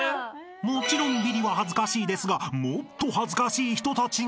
［もちろんビリは恥ずかしいですがもっと恥ずかしい人たちが］